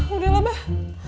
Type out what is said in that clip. udah lah abah